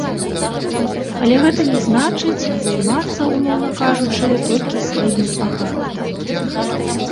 Але гэта не значыць, займацца, умоўна кажучы, толькі сваім агародам.